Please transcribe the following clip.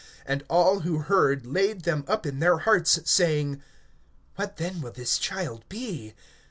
(66)And all who heard laid them up in their hearts, saying: What then will this child be!